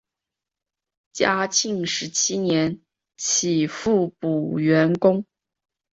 嘉庆十七年起复补原官。